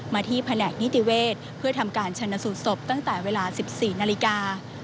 ที่แผนกนิติเวศเพื่อทำการชนสูตรศพตั้งแต่เวลา๑๔นาฬิกา